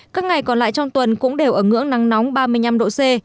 các ngày còn lại trong tuần cũng đều ở ngưỡng nắng nóng ba mươi năm độ c